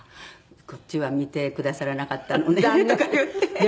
こっちは見てくださらなかったのねとかいって。